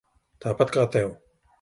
Tāpat kā tev.